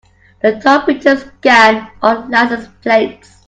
The toll bridges scan all license plates.